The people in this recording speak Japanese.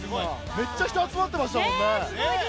めっちゃ人集まってましたもんね。